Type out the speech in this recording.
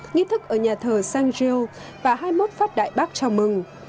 nghi thức ở nhà thờ st gilles và hai mươi một phát đại bắc chào mừng